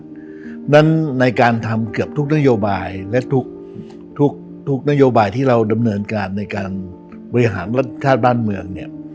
เพราะฉะนั้นในการทำเกือบทุกนโยบายและทุกนโยบายที่เราดำเนินการในการบริหารรัฐชาติบ้านเมืองเนี่ย